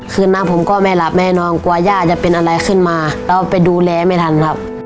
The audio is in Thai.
คืนนั้นผมก็ไม่หลับแน่นอนกลัวย่าจะเป็นอะไรขึ้นมาเราไปดูแลไม่ทันครับ